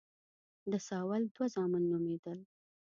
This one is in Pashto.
د ساول دوه زامن نومېدل.